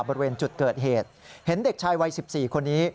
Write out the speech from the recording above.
บริเวณจุดเกิดเหตุเห็นเด็กชายวัย๑๔คนนี้